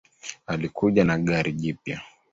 Alikuja na gari jipya